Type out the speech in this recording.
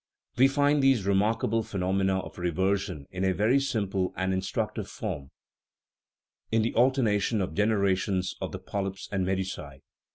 We find these remarkable phenomena of reversion in a very sim ple and instructive form in the alternation of genera tions of the polyps and medusae.